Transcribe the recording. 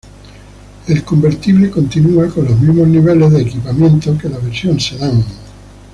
El convertible continúa, con los mismos niveles de equipamiento que la versión sedán.